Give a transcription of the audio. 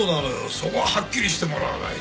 そこははっきりしてもらわないと。